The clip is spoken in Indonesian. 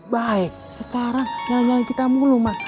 baik sekarang nyala nyala kita mulu mas